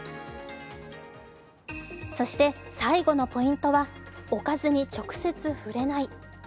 そして最後のポイントはおかずに直接触れない。